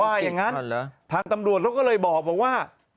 ว่ายังงั้นทางตำรวจเขาก็เลยบอกว่าว่า